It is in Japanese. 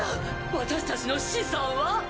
私たちの資産は？